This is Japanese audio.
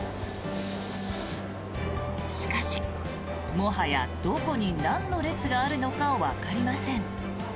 しかし、もはやどこに何の列があるのかわかりません。